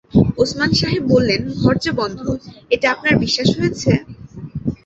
ওসমান সাহেব বললেন, ঘর যে বন্ধ, এটা আপনার বিশ্বাস হয়েছে?